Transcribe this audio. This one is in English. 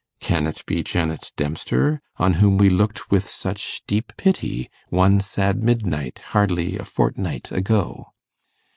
Can it be Janet Dempster, on whom we looked with such deep pity, one sad midnight, hardly a fortnight ago?